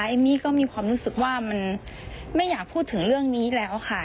เอมมี่ก็มีความรู้สึกว่ามันไม่อยากพูดถึงเรื่องนี้แล้วค่ะ